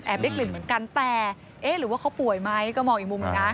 ได้กลิ่นเหมือนกันแต่เอ๊ะหรือว่าเขาป่วยไหมก็มองอีกมุมหนึ่งนะ